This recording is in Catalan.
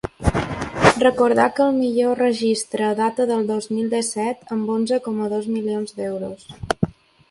Recordar que el millor registre data del dos mil disset amb onze coma dos milions d’euros.